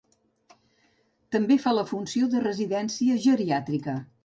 També fa la funció de residència geriàtrica.